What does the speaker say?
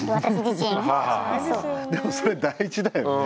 でもそれ大事だよね。